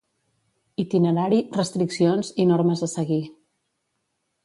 Itinerari, restriccions i normes a seguir.